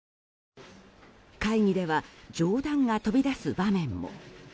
会議では冗談が飛び出す場面も。